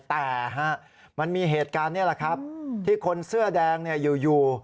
แต่มันมีเหตุการณ์นี้แหละครับที่คนเสื้อแดงอยู่